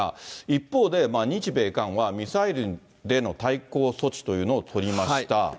一方で日米韓はミサイルでの対抗措置というのを取りました。